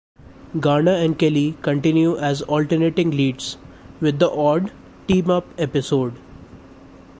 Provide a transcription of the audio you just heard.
Garner and Kelly continue as alternating leads, with the odd 'team-up' episode.